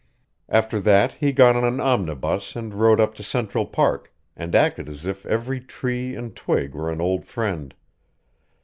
After that he got on an omnibus and rode up to Central Park, and acted as if every tree and twig were an old friend.